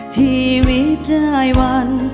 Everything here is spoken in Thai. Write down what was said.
ชีวิตรายวัน